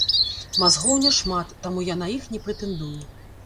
Мазгоў няшмат, таму я на іх не прэтэндую.